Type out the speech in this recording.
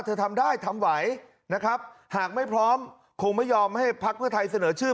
ทำได้ทำไหวนะครับหากไม่พร้อมคงไม่ยอมให้พักเพื่อไทยเสนอชื่อ